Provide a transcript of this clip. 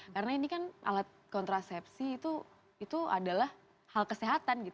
karena ini kan alat kontrasepsi itu adalah hal kesehatan gitu